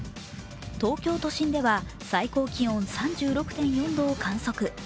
東京都心では最高気温３６．４度を観測。